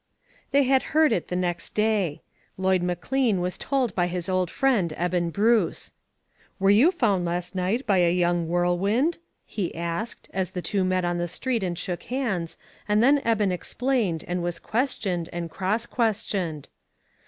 THEY had heard it the next day. Lloyd McLean was told by his old friend Eben Bruce. " Were you found last night by a young whirlwind ?" he asked, as the two met on the street and shook hands, and then Eben explained, and was questioned, and cross questioned.